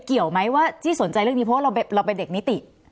เกี่ยวไหมว่าที่สนใจเรื่องนี้เพราะว่าเราเป็นเด็กนิติ